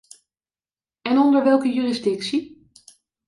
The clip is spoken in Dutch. En onder welke jurisdictie?